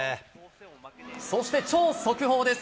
そして、超速報です。